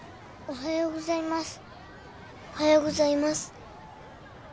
おはようございます。